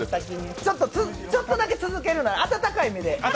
ちょっとだけ続けるので、温かい目で。